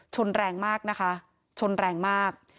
แรงมากนะคะชนแรงมาก